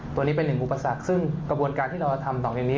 ตัวนี้เป็นหนึ่งอุปสรรคซึ่งกระบวนการที่เราทำต่อในนี้